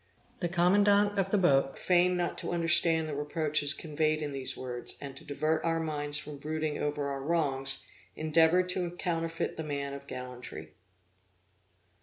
The commandant of the boat feigned not to understand the reproaches conveyed in these words, and, to divert our minds from brooding over our wrongs, endeavored to counterfeit the man of gallantry.